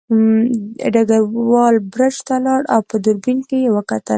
ډګروال برج ته لاړ او په دوربین کې یې وکتل